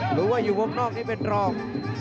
หรือว่าอยู่วงนอกนี้เป็นรอง